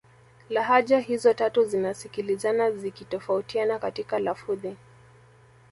Lahaja hizo tatu zinasikilizana zikitofautiana katika lafudhi